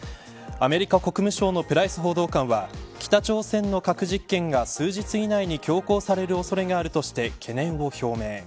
アメリカ国務省のプライス報道官は北朝鮮の核実験が数日以内に強行される恐れがあるとして懸念を表明。